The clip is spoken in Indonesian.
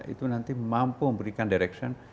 itu nanti mampu memberikan direction